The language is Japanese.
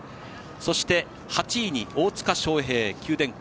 そして８位に大塚祥平、九電工。